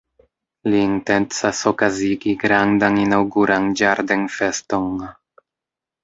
Li intencas okazigi grandan inaŭguran ĝardenfeston.